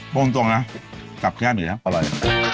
พรงตรงนะกลับแก้มอีกนะอร่อย